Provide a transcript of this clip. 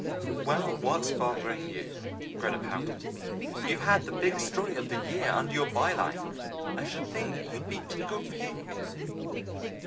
"Well, what's bothering you?" Greta pouted. "You've had the biggest story of the year under your byline. I should think you'd be tickled pink."